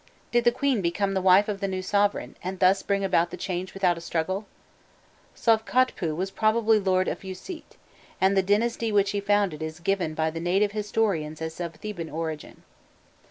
Did the queen become the wife of the new sovereign, and thus bring about the change without a struggle? Sovkhotpû was probably lord of Ûisît, and the dynasty which he founded is given by the native historians as of Theban origin.